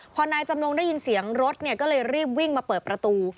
พอนายจำนงได้ยินเสียงรถก็เลยรีบวิ่งมาเปิดประตู